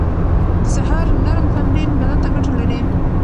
د سهار نرم تمرين بدن ته ګټه لري.